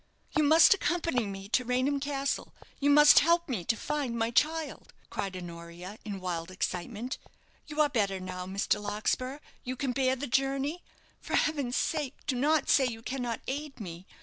"You must accompany me to Raynham Castle you must help me to find my child!" cried Honoria, in wild excitement. "You are better now, Mr. Larkspur, you can bear the journey? For Heaven's sake, do not say you cannot aid me.